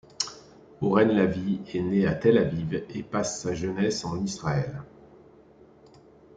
Oren Lavie est né à Tel Aviv et passe sa jeunesse en Israël.